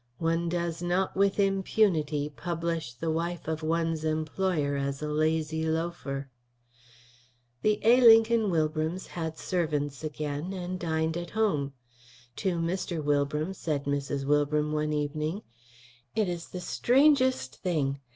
One does not with impunity publish the wife of one's employer as a lazy loafer. The A. Lincoln Wilbrams had servants again, and dined at home. To Mr. Wilbram said Mrs. Wilbram one evening: "It is the strangest thing.